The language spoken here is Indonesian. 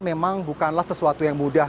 memang bukanlah sesuatu yang mudah